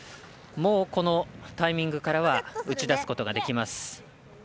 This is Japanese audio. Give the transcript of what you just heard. もう、このタイミングからは打ち出すことはできます。